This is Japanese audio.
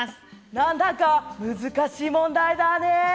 なんだか難しい問題だね。